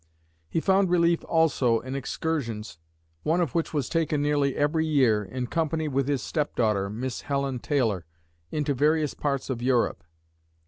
He found relief also in excursions, one of which was taken nearly every year, in company with his step daughter, Miss Helen Taylor, into various parts of Europe.